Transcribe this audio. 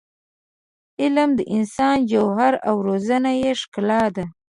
علم د انسان جوهر او روزنه یې ښکلا ده.